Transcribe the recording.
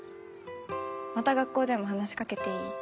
また学校でも話しかけていい？